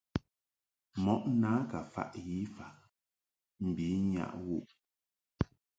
Mɔʼ na ka faʼ yi faʼ mbi nyaʼ wu ;g.